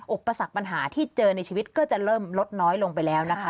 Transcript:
อุปสรรคปัญหาที่เจอในชีวิตก็จะเริ่มลดน้อยลงไปแล้วนะคะ